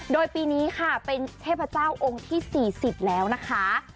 โดยปีนี้ค่ะเป็นเทพเจ้าองค์ที่๔๐แล้วนะคะ